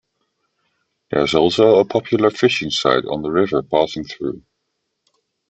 There is also a popular fishing site on the river passing through.